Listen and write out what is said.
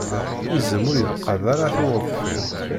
Izem ur ileqqeḍ ara tiweḍfin.